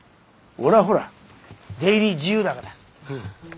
俺はほら出入り自由だから。